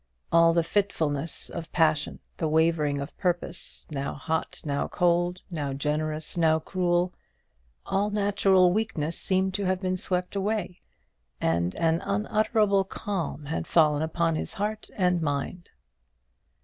All the fitfulness of passion, the wavering of purpose now hot, now cold, now generous, now cruel, all natural weakness seemed to have been swept away, and an unutterable calm had fallen upon his heart and mind.